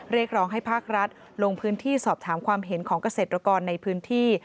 เรียกร้องให้ภาครัฐลงพื้นที่สอบถามความเห็นของเกษตรกรในพื้นที่